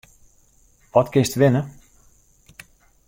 Wat kinst winne?